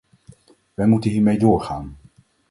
Wij moeten hiermee doorgaan.